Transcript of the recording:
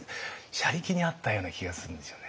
車力にあったような気がするんですよね。